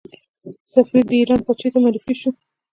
سفیر د ایران پاچا ته معرفي شو.